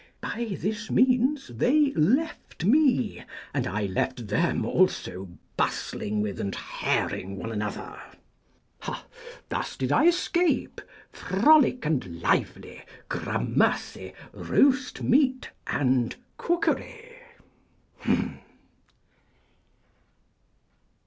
By this means they left me, and I left them also bustling with and hairing one another. Thus did I escape frolic and lively, gramercy roastmeat and cookery.